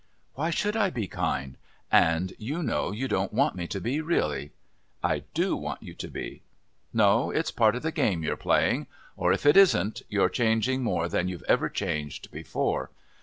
"Why should I be kind? And you know you don't want me to be, really." "I do want you to be." "No, it's part of the game you're playing. Or if it isn't, you're changing more than you've ever changed before.